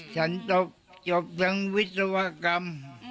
ฉันจบทั้งวิศวกรรม